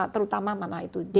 terutama mana itu dki